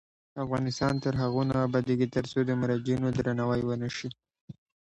افغانستان تر هغو نه ابادیږي، ترڅو د مراجعینو درناوی ونشي.